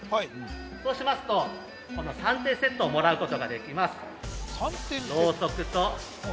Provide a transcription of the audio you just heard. そうしますとこの３点セットをもらうことができます